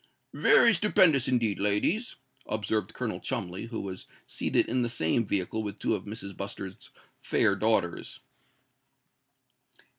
"Very stupendous, indeed, ladies," observed Colonel Cholmondeley, who was seated in the same vehicle with two of Mrs. Bustard's fair daughters.